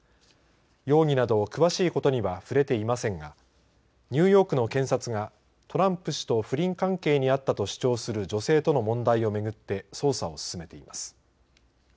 容疑など詳しいことには触れていませんがニューヨークの検察がトランプ氏と不倫関係にあったと主張する女性との問題をめぐって捜査を進めています。